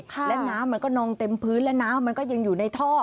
และน้ำมันก็นองเต็มพื้นและน้ำมันก็ยังอยู่ในท่อ